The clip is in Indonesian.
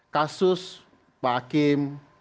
kasus pak hakim